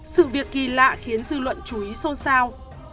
sự việc kỳ lạ khiến dư luận chú ý xôn xao